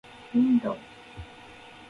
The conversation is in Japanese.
window